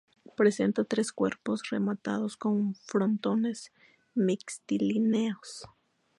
Presenta tres cuerpos rematados con frontones mixtilíneos.